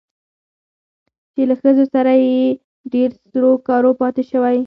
چې له ښځو سره يې ډېر سرو کارو پاتې شوى